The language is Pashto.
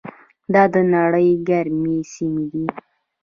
دا د نړۍ ګرمې سیمې دي.